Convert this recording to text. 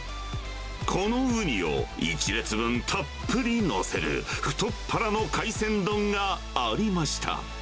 このウニを１列分たっぷり載せる、太っ腹の海鮮丼がありました。